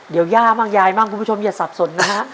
เดี๋ยวย่ามั่งยายมั่งคุณผู้ชมอย่าสับสนนะฮะ